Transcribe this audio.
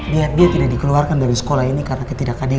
niat dia tidak dikeluarkan dari sekolah ini karena ketidakadilan